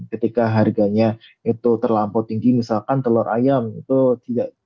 ketika harganya itu terlampau tinggi misalkan telur ayam itu tidak